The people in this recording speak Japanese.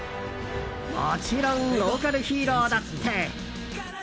もちろんローカルヒーローだって。